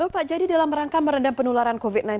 pak jadi dalam rangka merendam penularan covid sembilan belas